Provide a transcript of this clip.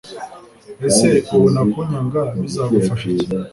ese ubona kunyanga bizagufasha iki